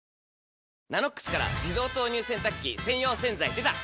「ＮＡＮＯＸ」から自動投入洗濯機専用洗剤でた！